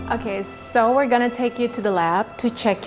oke jadi kita akan membawa kamu ke lab